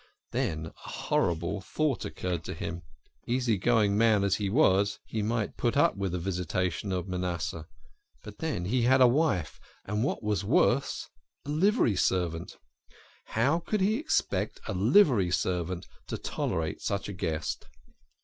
Then a horrible thought occurred to him. "WAVED HIS STICK FRATERNALLY." Easy going man as he was, he might put up with the visitation of Manasseh. But then he had a wife, and, what was worse, a livery servant. How could he expect a livery servant to tolerate such a guest?